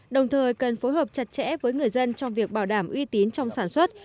đồng thời cần phối hợp chặt chẽ với người dân trong việc bảo đảm uy tín trong sản xuất